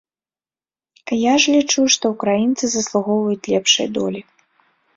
Я ж лічу, што ўкраінцы заслугоўваюць лепшай долі.